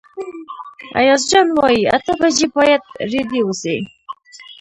ایاز جان وايي اته بجې باید رېډي اوسئ.